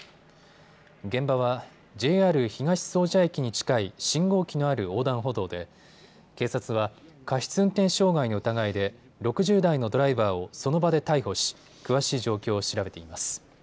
現場はＪＲ東総社駅に近い信号機のある横断歩道で警察は過失運転傷害の疑いで６０代のドライバーをその場で逮捕し、詳しい状況を調べています。